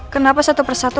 kenapa satu persatu